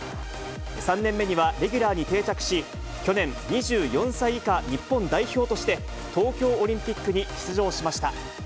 ３年目にはレギュラーに定着し、去年、２４歳以下日本代表として、東京オリンピックに出場しました。